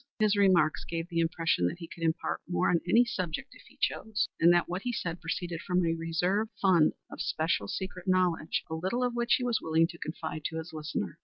His remarks gave the impression that he could impart more on any subject if he chose, and that what he said proceeded from a reserve fund of special, secret knowledge, a little of which he was willing to confide to his listener.